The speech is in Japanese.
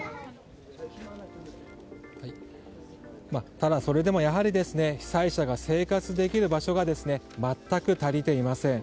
ただ、それでもやはり被災者が生活できる場所が全く足りていません。